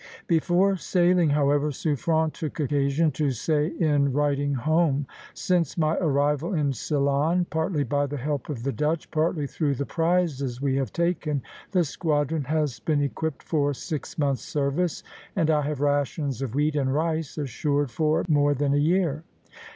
Before sailing, however, Suffren took occasion to say in writing home: "Since my arrival in Ceylon, partly by the help of the Dutch, partly through the prizes we have taken, the squadron has been equipped for six months' service, and I have rations of wheat and rice assured for more than a year."